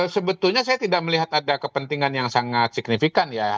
sebetulnya saya tidak melihat ada kepentingan yang sangat signifikan ya